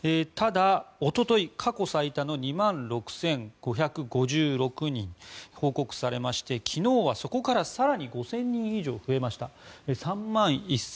ただ、おととい過去最多の２万６５５６人報告されまして昨日はそこから更に５０００人以上増えました。